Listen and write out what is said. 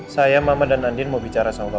saya mama dan andien mau bicara sama papa kamu